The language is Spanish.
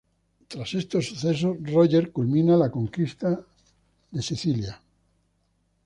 Tras estos sucesos, Roger culmina la conquista de Sicilia.